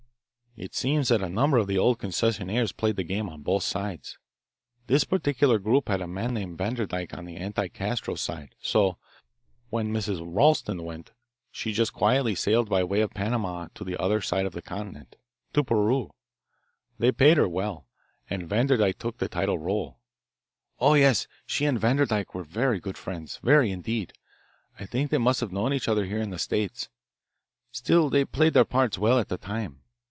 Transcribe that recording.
It seems that a number of the old concessionaires played the game on both sides. This particular group had a man named Vanderdyke on the anti Castro side. So, when Mrs. Ralston went, she just quietly sailed by way of Panama to the other side of the continent, to Peru they paid her well and Vanderdyke took the title role. "Oh, yes, she and Vanderdyke were very good friends, very, indeed. I think they must have known each other here in the States. Still they played their parts well at the time.